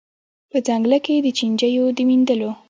په ځنګله کي د چینجیو د میندلو